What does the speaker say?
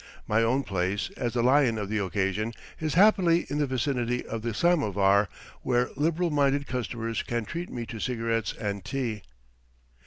My own place, as the lion of the occasion, is happily in the vicinity of the samovar, where liberal minded customers can treat me to cigarettes and tea.